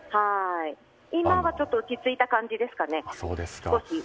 今は少し落ち着いた感じですかね。